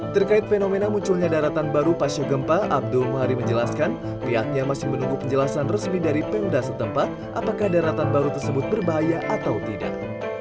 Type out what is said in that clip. terkait fenomena munculnya daratan baru pasca gempa abdul muhari menjelaskan pihaknya masih menunggu penjelasan resmi dari pemda setempat apakah daratan baru tersebut berbahaya atau tidak